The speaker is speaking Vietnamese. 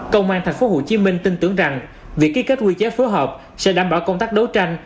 công an thành phố hồ chí minh tin tưởng rằng việc ký kết quy chế phối hợp sẽ đảm bảo công tác đấu tranh